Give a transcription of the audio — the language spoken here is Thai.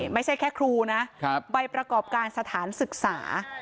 ไม่ใช่แค่ครูนะใบประกอบการสถานศึกษา